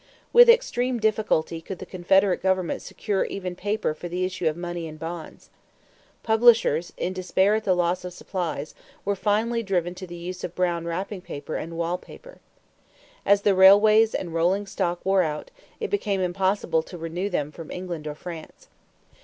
With extreme difficulty could the Confederate government secure even paper for the issue of money and bonds. Publishers, in despair at the loss of supplies, were finally driven to the use of brown wrapping paper and wall paper. As the railways and rolling stock wore out, it became impossible to renew them from England or France.